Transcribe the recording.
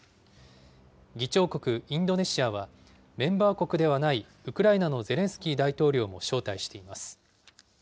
議長国、インドネシアはメンバー国ではないウクライナのゼレンスキー大統領も招待しています。